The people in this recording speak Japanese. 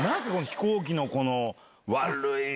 飛行機のこの悪い。